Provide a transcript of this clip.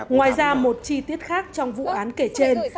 ngoài ra một chi tiết khác trong vụ án kể trên